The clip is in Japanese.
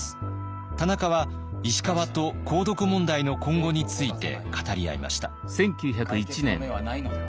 田中は石川と鉱毒問題の今後について語り合いました。